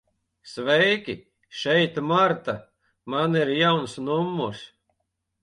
Sveiki, šeit Marta. Man ir jauns numurs.